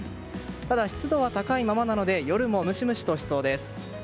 ただ、湿度は高いままなので夜もムシムシとしそうです。